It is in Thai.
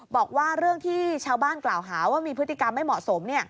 บอกว่าเรื่องที่ชาวบ้านกล่าวหาว่ามีพฤติกรรมไม่เหมาะสม